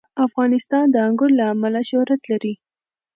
افغانستان د انګور له امله شهرت لري.